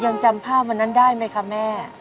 ยังจำภาพวันนั้นได้ไหมคะแม่